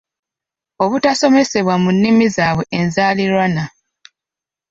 obutasomesebwa mu nnimi zaabwe enzaaliranwa.